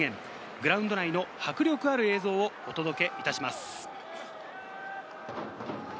グラウンド内の迫力ある映像をお届けいたします。